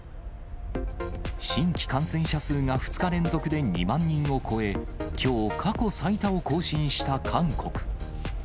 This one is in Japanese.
新規感染者数が２日連続で２万人を超え、きょう過去最多を更新した韓国。